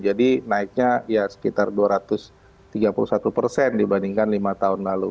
jadi naiknya ya sekitar dua ratus tiga puluh satu dibandingkan lima tahun lalu